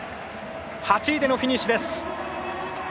８位でのフィニッシュです！